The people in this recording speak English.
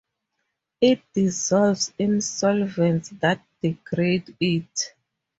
It "dissolves" in solvents that degrade it.